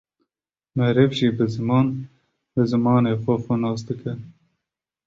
Meriv jî bi ziman, bi zimanê xwe xwe nas dike